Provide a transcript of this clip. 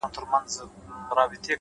په سپورږمۍ كي زمــــا پــيــــر دى”